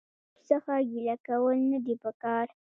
د دوست څخه ګيله کول نه دي په کار.